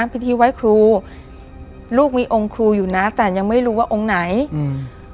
พิธีไว้ครูลูกมีองค์ครูอยู่นะแต่ยังไม่รู้ว่าองค์ไหนอืม